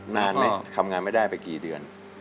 นานไหมทำงานไม่ได้ไปกี่เดือน